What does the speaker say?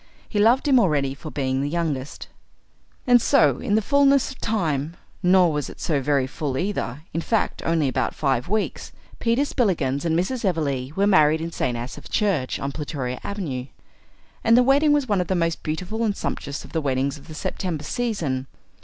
He loved him already for being the youngest. And so in the fulness of time nor was it so very full either, in fact, only about five weeks Peter Spillikins and Mrs. Everleigh were married in St. Asaph's Church on Plutoria Avenue. And the wedding was one of the most beautiful and sumptuous of the weddings of the September season.